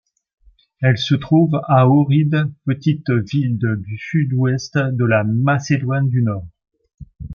Elle se trouve à Ohrid, petite ville du sud-ouest de la Macédoine du Nord.